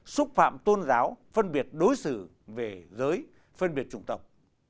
xúc phạm tôn giáo phân biệt đối xử về giới phân biệt chủng tộc